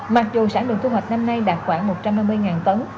mặc dù sản lượng thu hoạch năm nay đạt khoảng một trăm năm mươi tấn